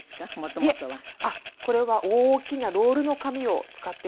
これは大きなロールの紙を使っています。